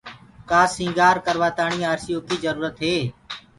ڪآ سيٚگآر ڪروآ تآڻيٚ آرسيٚ جروُريٚ هي